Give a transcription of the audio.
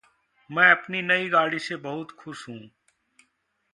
मैं अपनी नई गाड़ी से बहुत खुश हूँ।